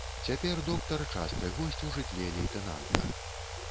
Цяпер доктар часты госць у жытле лейтэнанта.